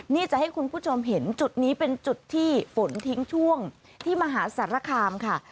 นี่จะให้คุณผู้ชมเห็นจุดนี้เป็นจุดที่ฝนทิ้งช่วงที่มหาสารคามค่ะ